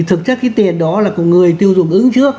thực chất cái tiền đó là của người tiêu dùng ứng trước